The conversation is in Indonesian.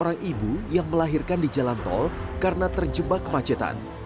seorang ibu yang melahirkan di jalan tol karena terjebak kemacetan